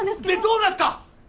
でどうなった！？